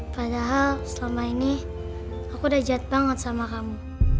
padahal selama ini aku udah jat banget sama kamu